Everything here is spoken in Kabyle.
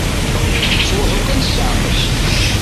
Ttruḥu kan s leɛqel.